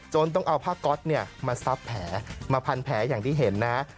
ต้องเอาผ้าก๊อตมาซับแผลมาพันแผลอย่างที่เห็นนะ